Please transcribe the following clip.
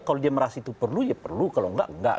kalau dia merasa itu perlu ya perlu kalau enggak enggak